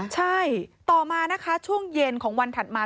ใช่ต่อมานะคะช่วงเย็นของวันถัดมา